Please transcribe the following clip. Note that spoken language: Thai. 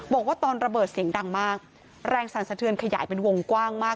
บอกว่าตอนระเบิดเสียงดังมากแรงสั่นสะเทือนขยายเป็นวงกว้างมาก